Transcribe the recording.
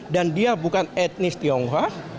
dan dia bukan etnis tionghoa